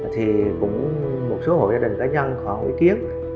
thì cũng một số hộ gia đình cá nhân họ ý kiến